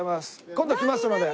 今度来ますので。